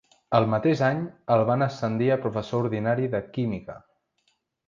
El mateix any, el van ascendir a professor ordinari de Química.